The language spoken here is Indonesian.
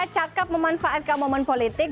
cakap memanfaatkan momen politik